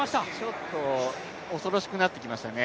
ちょっと恐ろしくなってきましたね。